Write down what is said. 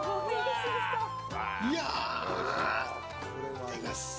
いただきます。